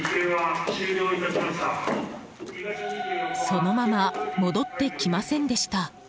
そのまま戻ってきませんでした。